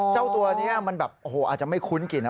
เจ้าตัวนี้มันแบบโอ้โหอาจจะไม่คุ้นกลิ่นนะ